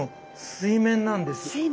水面なんですね。